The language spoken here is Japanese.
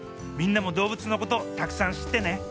みんなもどうぶつのことたくさんしってね。